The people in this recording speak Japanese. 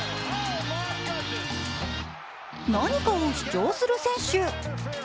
何かを主張する選手。